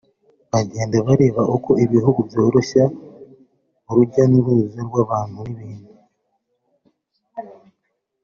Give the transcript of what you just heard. bagenda bareba uko ibihugu byoroshya urujya n’uruza rw’abantu n’ibintu